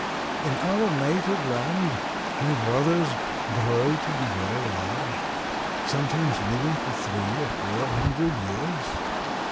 "In our native land my brothers grow to be very large, sometimes living for three or four hundred years.